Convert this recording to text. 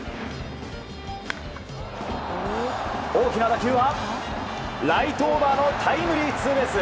大きな打球はライトオーバーのタイムリーツーベース。